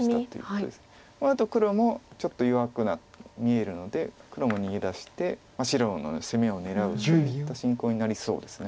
このあと黒もちょっと弱く見えるので黒も逃げ出して白の攻めを狙うといった進行になりそうです。